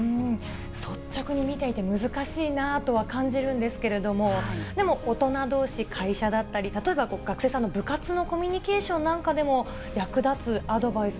率直に見ていて難しいなとは感じるんですけれども、でも大人どうし、会社だったり、例えば学生さんの部活のコミュニケーションなんかでも、役立つ